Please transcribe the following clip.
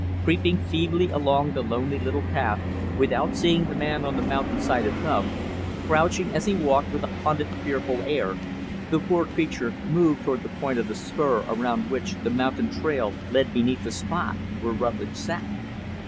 Creeping feebly along the lonely little path without seeing the man on the mountainside above crouching as he walked with a hunted, fearful air the poor creature moved toward the point of the spur around which the trail led beneath the spot where Rutlidge sat.